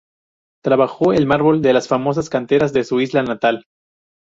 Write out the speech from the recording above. Trabajó el mármol de las famosas canteras de su isla natal.